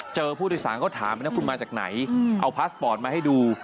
เจอผู้โดยสารเขาถามนะคุณมาจากไหนเอาพาสปอร์ตมาให้ดู